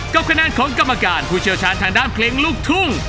กับคะแนนของกรรมการผู้เชี่ยวชาญทางด้านเพลงลูกทุ่ง